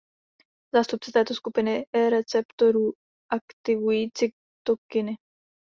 Zástupce této skupiny receptorů aktivují cytokiny.